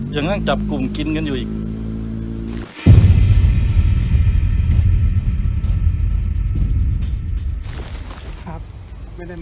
ยังนั่งจับกลุ่มกินกันอยู่อีก